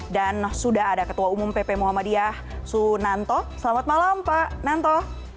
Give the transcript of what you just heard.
dan sudah ada ketua umum pp muhammadiyah sunanto selamat malam pak nanto